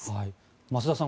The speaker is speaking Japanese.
増田さん